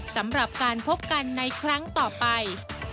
สำหรับการพบกันในครั้งต่อไป